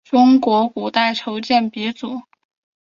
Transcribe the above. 中国古代铸剑鼻祖。